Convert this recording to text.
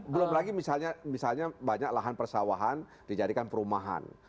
belum lagi misalnya banyak lahan persawahan dijadikan perumahan